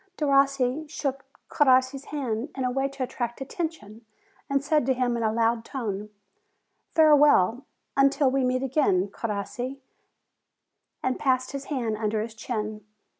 Derossi shook Crossi's hand, in a way to attract attention, and said to him in a loud tone, "Fare well until we meet again, Crossi," and passed his hand under his chin.